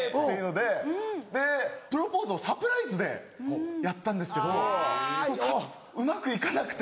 でプロポーズをサプライズでやったんですけどうまく行かなくて。